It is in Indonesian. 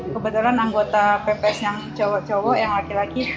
kebetulan anggota pps yang cowok cowok yang laki laki